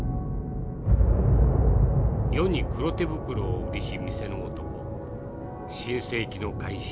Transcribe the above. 余に黒手袋を売りし店の男『新世紀の開始